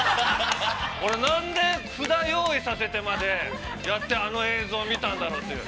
これなんで、札用意させてまで、やって、あの映像を見たんだろうという。